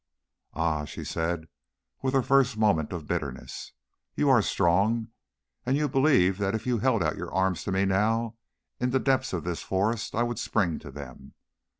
"Ah!" she said with her first moment of bitterness, "you are strong. And you believe that if you held out your arms to me now, in the depths of this forest, I would spring to them.